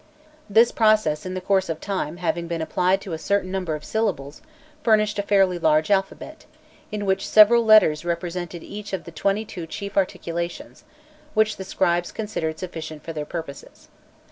This process in the course of time having been applied to a certain number of syllables, furnished a fairly large alphabet, in which several letters represented each of the twenty two chief articulations, which the scribes considered sufficient for their purposes.